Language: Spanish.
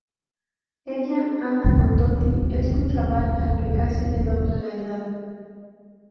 Ella, Ana, con Toti, un chaval al que casi le dobla la edad.